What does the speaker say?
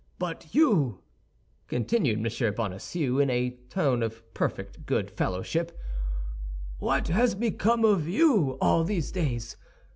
But you," continued M. Bonacieux, in a tone of perfect good fellowship, "what has become of you all these days?